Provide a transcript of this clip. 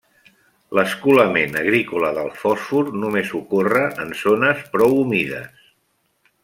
L'escolament agrícola del fòsfor només ocorre en zones prou humides.